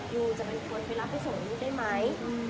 ยูจะเป็นคนไปรับไปส่งลูกได้ไหม